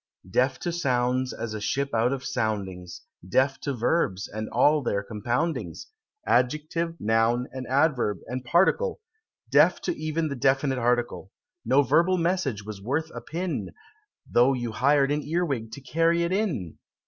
Deaf to sounds, as a ship out of soundings, Deaf to verbs, and all their compoundings, Adjective, noun, and adverb, and particle, Deaf to even the definite article No verbal message was worth a pin, Though you hired an earwig to carry it in!